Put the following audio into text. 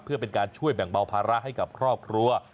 เพื่อเป็นการช่วยแบ่งเบาภาระให้กับครอบครัว